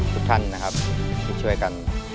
ทุกท่านนะครับที่ช่วยกัน